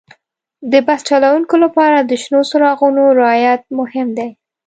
د بس چلوونکي لپاره د شنو څراغونو رعایت مهم دی.